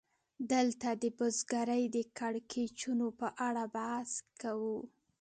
دلته د بزګرۍ د کړکېچونو په اړه بحث کوو